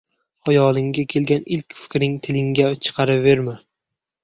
• Xayolingga kelgan ilk fikrni tilingga chiqaraverma.